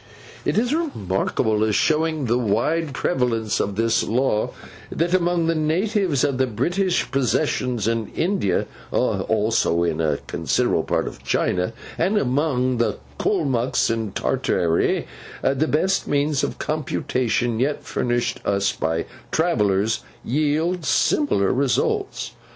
It is remarkable as showing the wide prevalence of this law, that among the natives of the British possessions in India, also in a considerable part of China, and among the Calmucks of Tartary, the best means of computation yet furnished us by travellers, yield similar results.